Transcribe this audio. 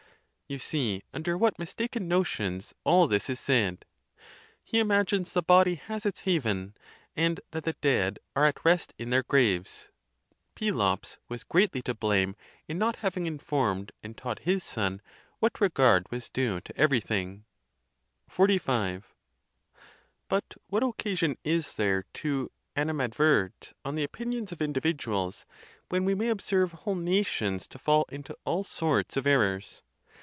You see under what mistaken notions all this is said. He imagines. the body has its haven, and that the dead are at rest in their graves. Pelops was greatly to blame in not having informed and taught his son what regard was due to everything. XLV. But what occasion is there to animadvert on the opinions of individuals, when we may observe whole na tions to fall into all sorts of errors?